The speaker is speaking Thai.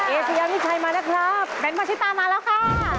เอเซวียมพิมพ์ชัยมานะครับ